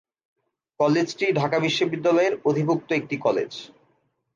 কলেজটি ঢাকা বিশ্ববিদ্যালয়ের অধিভুক্ত একটি কলেজ।